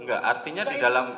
enggak artinya di dalam